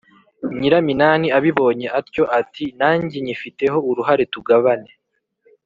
nyiraminani abibonye atyo ati: “nange nyifiteho uruhare, tugabane”!